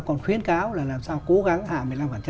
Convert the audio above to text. còn khuyến cáo là làm sao cố gắng hạ một mươi năm